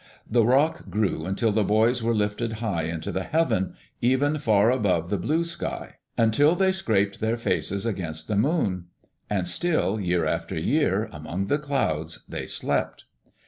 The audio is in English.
The rock grew until the boys were lifted high into the heaven, even far up above the blue sky, until they scraped their faces against the moon. And still, year after year, among the clouds they slept.